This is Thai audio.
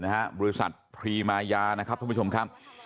แล้วก็ก็กัดไปเรียนแม่งกับบริษัทพรีมาญานะครับคุณผู้ชมท่าน